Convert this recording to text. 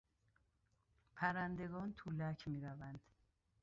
پرندگان تو لک میروند.